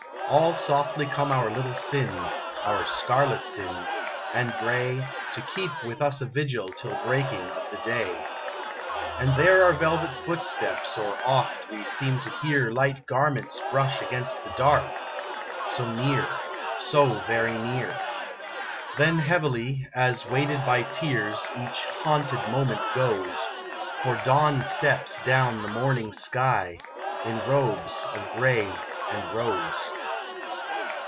All softly come our little sins our scarlet sins and gray, To keep with us a vigil till breaking of the day. And there are velvet footsteps; or oft we seem to hear Light garments brush against the dark; so near so very near! Then heavily, as weighed by tears, each haunted moment goes, For dawn steps down the morning sky, in robes of gray and rose.